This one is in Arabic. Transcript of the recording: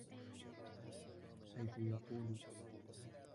حَيْثُ يَقُولُ